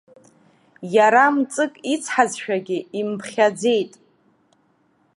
Иара мҵык ицҳазшәагьы имԥхьаӡеит.